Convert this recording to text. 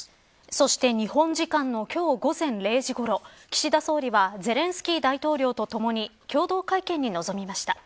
そして、日本時間の今日午前０時ごろ岸田総理はゼレンスキー大統領とともに共同会見に臨みました。